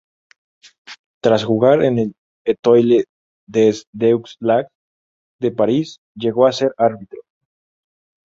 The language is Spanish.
Tras jugar en el "Étoile des Deux Lacs" de París, llegó a ser árbitro.